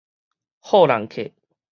戽人客